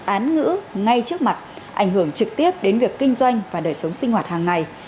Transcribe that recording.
án ngữ ngay trước mặt ảnh hưởng trực tiếp đến việc kinh doanh và đời sống sinh hoạt hàng ngày